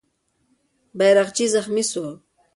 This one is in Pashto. بیرغچی زخمي سو.